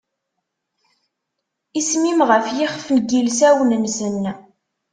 Isem-im ɣef yixef n yilsawen-nsen.